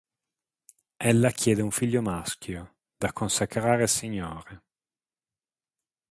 Ella chiede un figlio maschio, da consacrare al Signore.